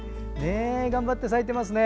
頑張って咲いてますね。